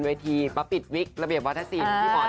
เวทีมาปิดวิกระเบียบวัฒนศิลป์